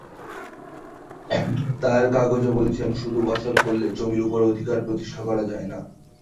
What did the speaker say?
তার কাগজে বলেছেন, শুধু বসত করলেই জমির ওপর অধিকার প্রতিষ্ঠা পায় না।